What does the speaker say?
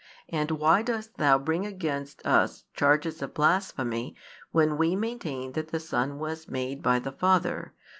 And why dost thou bring against us charges of blasphemy when we maintain that the Son was made ' by the Father'?